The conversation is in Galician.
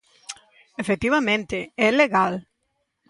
Efectivamente, é legal.